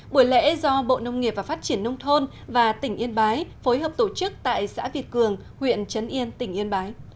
buổi lễ do bộ nông nghiệp và phát triển nông thôn và tỉnh yên bái phối hợp tổ chức tại xã việt cường huyện trấn yên tỉnh yên bái